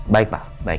baik pak baik